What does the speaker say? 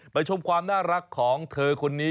ชมความน่ารักของเธอคนนี้